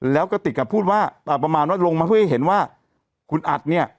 แล้วกระติกพูดว่าประมาณว่าลงมาเพื่อให้เห็นว่าคุณอัดเนี่ย